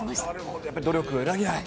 やっぱり努力は裏切らないと。